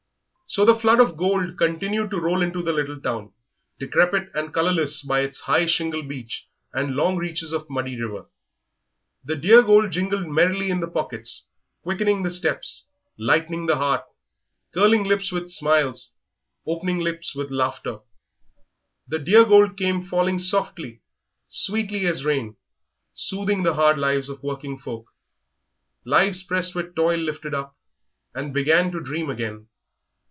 So the flood of gold continued to roll into the little town, decrepit and colourless by its high shingle beach and long reaches of muddy river. The dear gold jingled merrily in the pockets, quickening the steps, lightening the heart, curling lips with smiles, opening lips with laughter. The dear gold came falling softly, sweetly as rain, soothing the hard lives of working folk. Lives pressed with toil lifted up and began to dream again.